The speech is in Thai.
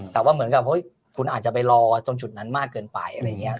แต่ว่าเหมือนกับคุณอาจจะไปรอตรงจุดนั้นมากเกินไปอะไรอย่างนี้